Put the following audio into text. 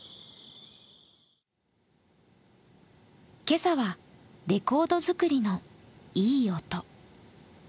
今朝はレコード作りのいい音。